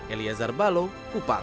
eliazar balogh kupang